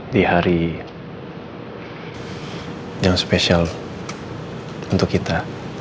di hari yang spesial untuk kita